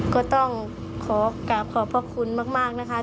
ก็ต้องขอขอบคุณมากนะคะ